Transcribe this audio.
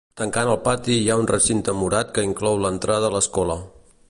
Tancant el pati hi ha un recinte murat que inclou l’entrada a l’escola.